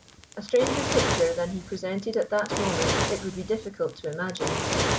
A stranger picture than he presented at that moment it would be difficult to imagine.